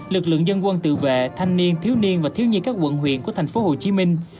lực lượng dân quân tự vệ thanh niên thiếu niên và thiếu nhi các quận huyện của thành phố hồ chí minh